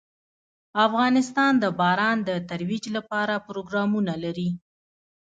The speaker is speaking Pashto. افغانستان د باران د ترویج لپاره پروګرامونه لري.